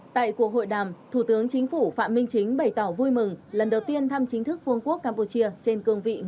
tại cuộc hội đàm thủ tướng chính phủ phạm minh chính bày tỏ vui mừng lần đầu tiên thăm chính thức vương quốc campuchia